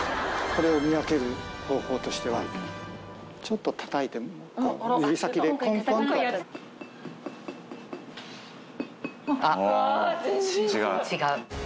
これを見分ける方法としては、ちょっとたたいて、ああ、違う。